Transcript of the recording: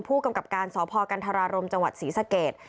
ผู้กำกับการสพกันทรารมจศรีสะเกต